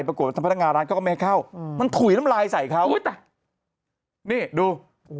พนักงานร้านเขาก็ไม่ให้เข้าอืมมันถุยน้ำลายใส่เขาอุ้ยแต่นี่ดู